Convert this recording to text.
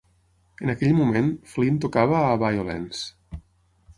En aquell moment, Flynn tocava a Vio-Lence.